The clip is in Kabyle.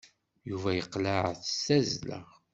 Yuba yeqleɛ d tazzla.